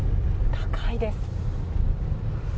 高いです。